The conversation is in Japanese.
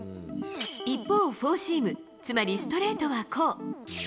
一方、フォーシーム、つまりストレートはこう。